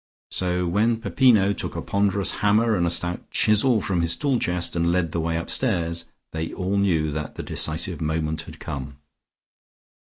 So when Peppino took a ponderous hammer and a stout chisel from his tool chest and led the way upstairs, they all knew that the decisive moment had come.